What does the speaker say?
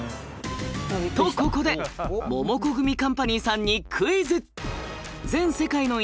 とここでモモコグミカンパニーさんにクイズ！